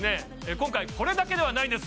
今回これだけではないんです